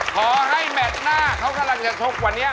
ขอให้แมทหน้าเขากำลังจะชกวันนี้